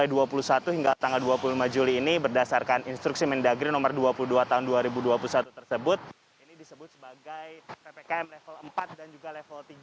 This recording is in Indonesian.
ini disebut sebagai ppkm level empat dan juga level tiga